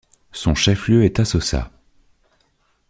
Son chef-lieu est Asosa.